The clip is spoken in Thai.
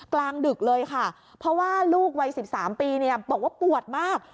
กลางดึกเลยค่ะเพราะว่าลูกวัย๑๓ปีบอกว่าปวดมาก